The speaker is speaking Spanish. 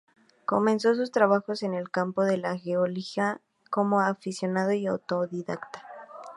Comenzó sus trabajos en el campo de la geología como aficionado y autodidacta.